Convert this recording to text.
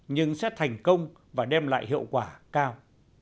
nhưng sẽ thành công và đem lại hiệu quả cao